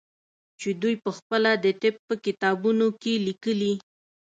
چې دوى پخپله د طب په کتابونو کښې ليکلي.